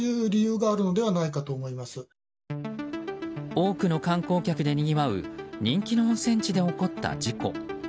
多くの観光客でにぎわう人気の温泉地で起こった事故。